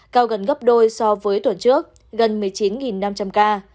cao gần gấp đôi so với tuần trước gần một mươi chín năm trăm linh ca